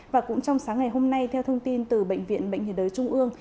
và cũng trong sáng ngày hôm nay theo thông tin từ bệnh viện bệnh nhiệt đới trung ương